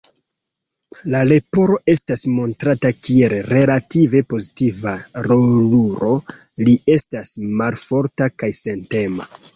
La Leporo estas montrata kiel relative pozitiva rolulo, li estas malforta kaj sentema.